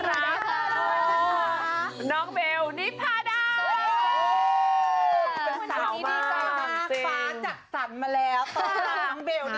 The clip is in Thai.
พ่อเสียงน้องเบลนี้ปลาดานะค่ะ